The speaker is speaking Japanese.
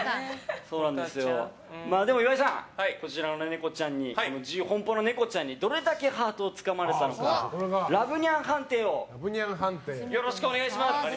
でも岩井さん、こちらの自由奔放のネコちゃんにどれだけハートをつかまれたのかラブニャン判定をよろしくお願いします。